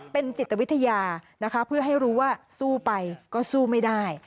เป็นจิตวิทยานะคะเพื่อให้รู้ว่าสู้ไปก็สู้ไม่ได้